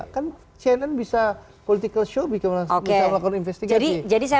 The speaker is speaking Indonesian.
kan cnn bisa political show bisa melakukan investigasi